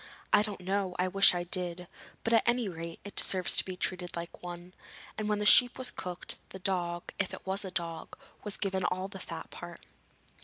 'I don't know; I wish I did. But at any rate, it deserves to be treated like one,' and when the sheep was cooked, the dog if it was a dog was given all the fat part.